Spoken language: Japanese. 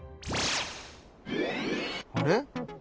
あれ？